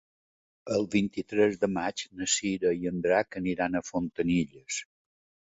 El vint-i-tres de maig na Cira i en Drac aniran a Fontanilles.